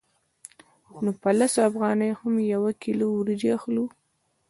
نو په لسو افغانیو هم یوه کیلو وریجې اخلو